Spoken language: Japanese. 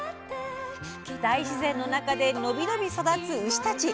大自然の中で伸び伸び育つ牛たち。